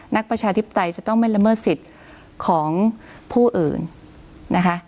ประชาธิปไตยจะต้องไม่ละเมิดสิทธิ์ของผู้อื่นนะคะ